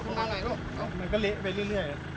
สิ่งนั้น